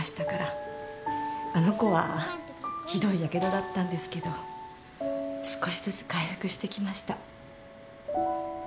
あの子はひどいやけどだったんですけど少しずつ回復してきました。